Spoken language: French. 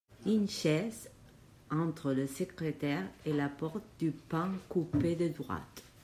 Une chaise, entre le secrétaire et la porte du pan coupé de droite.